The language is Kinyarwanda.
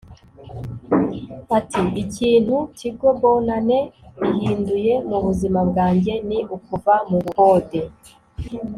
Ati “Ikintu Tigo Bonane ihinduye mu buzima bwanjye ni ukuva mu bukode